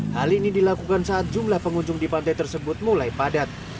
hal ini dilakukan saat jumlah pengunjung di pantai tersebut mulai padat